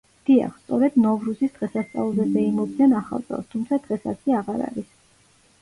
დიახ, სწორედ ნოვრუზის დღესასწაულზე ზეიმობდნენ ახალ წელს, თუმცა დღეს ასე აღარ არის.